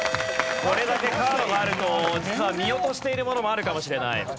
これだけカードがあると実は見落としているものもあるかもしれない。